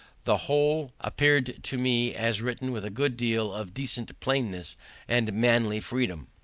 The whole appeared to me as written with a good deal of decent plainness and manly freedom.